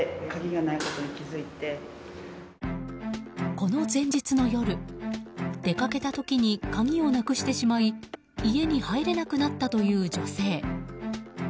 この前日の夜、出かけた時に鍵をなくしてしまい家に入れなくなったという女性。